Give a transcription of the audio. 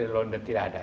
london tidak ada